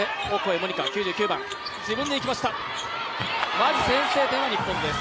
まず先制点は日本です。